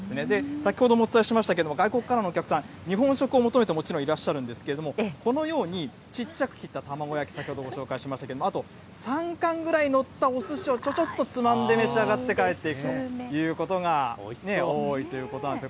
先ほどもお伝えしましたけども、外国からのお客さん、日本食を求めて、もちろんいらっしゃるんですけれども、このように、ちっちゃく切った玉子焼き、先ほどご紹介しましたけれども、あと３貫くらい載ったおすしをちょちょっとつまんで召し上がって帰っていくということが多いということなんです。